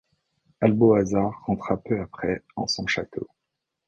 Alboazar rentra peu après en son château.